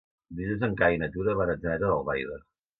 Dilluns en Cai i na Tura van a Atzeneta d'Albaida.